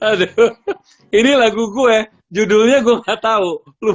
aduh ini lagu gue judulnya gue gak tau